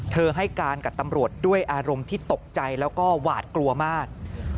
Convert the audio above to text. ให้การกับตำรวจด้วยอารมณ์ที่ตกใจแล้วก็หวาดกลัวมาก